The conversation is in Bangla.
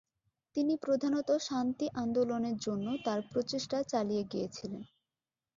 তিনি প্রধানত শান্তি আন্দোলনের জন্য তার প্রচেষ্টা চালিয়ে গিয়েছিলেন।